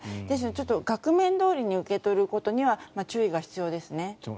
ですので額面どおりに受け取ることには注意が必要ですね。